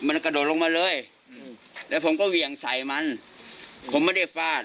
มันกระโดดลงมาเลยอืมแล้วผมก็เหวี่ยงใส่มันผมไม่ได้ฟาด